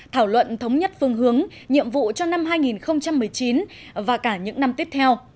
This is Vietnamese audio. thảo luận thống nhất phương hướng nhiệm vụ cho năm hai nghìn một mươi chín và cả những năm tiếp theo